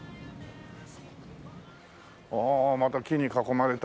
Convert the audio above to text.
ああまた木に囲まれた。